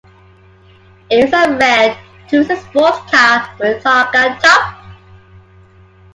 It is a red, two-seat sports car with a targa top.